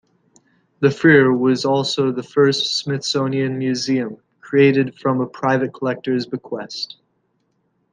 The Freer was also the first Smithsonian museum created from a private collector's bequest.